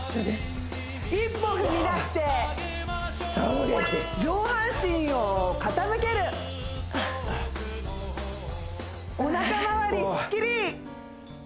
一歩踏み出して上半身を傾けるおなかまわりすっきり！